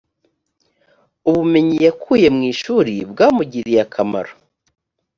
ubumenyi yakuye mwishurri bwamugiriye akamaro